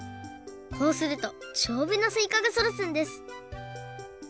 こうするとじょうぶなすいかがそだつんです。